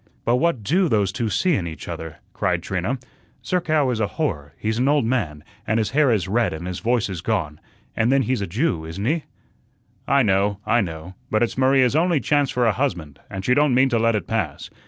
"But what DO those two see in each other?" cried Trina. "Zerkow is a horror, he's an old man, and his hair is red and his voice is gone, and then he's a Jew, isn't he?" "I know, I know; but it's Maria's only chance for a husband, and she don't mean to let it pass.